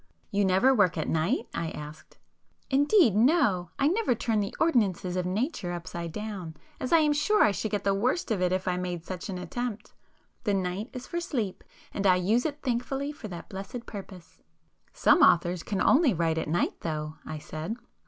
"You never work at night?" I asked. "Indeed no! I never turn the ordinances of Nature upside down, as I am sure I should get the worst of it if I made such an attempt. The night is for sleep—and I use it thankfully for that blessed purpose." "Some authors can only write at night though," I said.